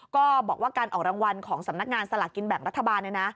ก็บอกว่าการออกรางวัลของสำนักงานสลากกินแบ่งรัฐบาล